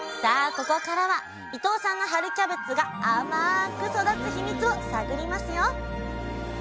ここからは伊藤さんの春キャベツが甘く育つヒミツを探りますよ！